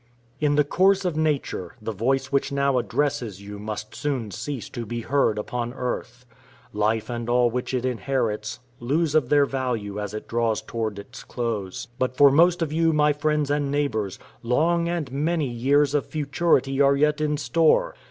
In the course of nature, the voice which now addresses you must soon cease to be heard upon earth. Life and all which it inherits, lose of their value as it draws toward its close. But for most of you, my friends and neighbors, long and many years of futurity are yet in store.